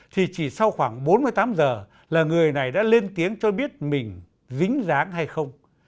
thì chỉ sau khoảng bốn mươi tám giờ là người này đã lên tiếng cho biết mình dính dáng hay không